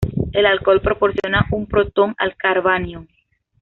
El alcohol proporciona un protón al carbanión.